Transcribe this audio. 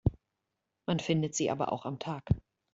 Man findet sie aber auch am Tag.